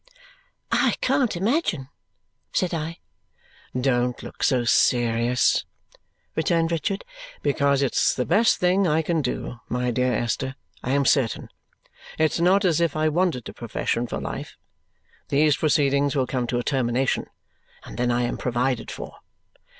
"I can't imagine," said I. "Don't look so serious," returned Richard, "because it's the best thing I can do, my dear Esther, I am certain. It's not as if I wanted a profession for life. These proceedings will come to a termination, and then I am provided for.